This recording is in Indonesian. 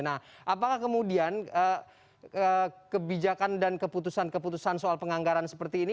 nah apakah kemudian kebijakan dan keputusan keputusan soal penganggaran seperti ini